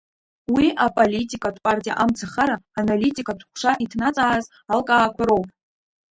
Уи аполитикатә партиа Ам-цахара аналитикатә ҟәша иҭнаҵааз алкаақәа роуп.